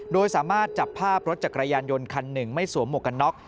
โดยสามารถจับภาพรถจักรยานยนต์คันหนึ่งไม่สวมหมวกกันน็อก